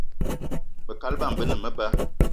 Be kaal bama be ne meba